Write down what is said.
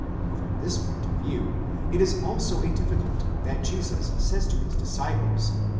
*4. From this point of view, it is also a difficulty that Jesus says to his disciples (v.